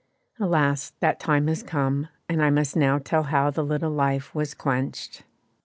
Alas! that time has come, and I must now tell how the little life was quenched.